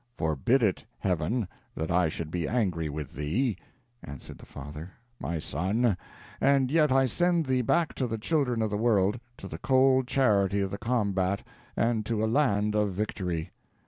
"Forbid it, Heaven, that I should be angry with thee," answered the father, "my son, and yet I send thee back to the children of the world to the cold charity of the combat, and to a land of victory.